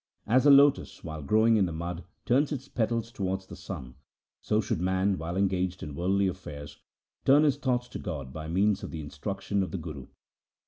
As a lotus, while growing in the mud, turns its petals towards the sun, so should man while engaged in worldly affairs turn his thoughts to God by means of the instruction of the Guru.